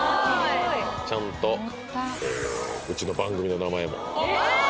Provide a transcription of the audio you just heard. ちゃんとうちの番組の名前もえぇ！